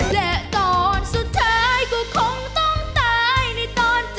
และก่อนสุดท้ายก็คงต้องตายในตอนเจอ